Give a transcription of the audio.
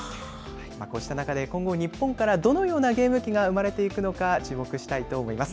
こうした中で、今後、日本からどのようなゲーム機が生まれていくのか、注目したいと思います。